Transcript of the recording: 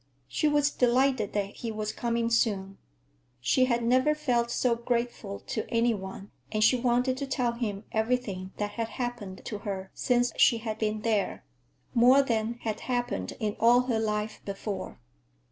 She was delighted that he was coming soon. She had never felt so grateful to any one, and she wanted to tell him everything that had happened to her since she had been there—more than had happened in all her life before.